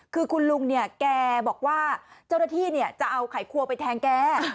คือคุณลุงเนี่ยแกบอกว่าเจ้าหน้าที่จะเอาไขครัวไปแทงแก